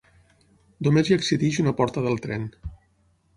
Només hi accedeix una porta del tren.